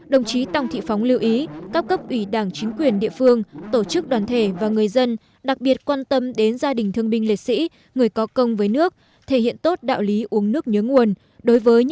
đồng chí tòng thị phóng lưu ý các cấp ủy đảng chính quyền địa phương tổ chức đoàn thể và người dân đặc biệt quan tâm đến gia đình thương binh liệt sĩ người có công với nước thể hiện tốt đạo lý uống nước nhớ nguồn